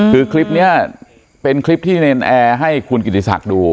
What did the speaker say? คือคลิปนี้เป็นคลิปที่เนรนแอร์ให้คุณกิติศักดิ์ดู